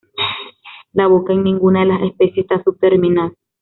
La boca en ninguna de las especies está subterminal.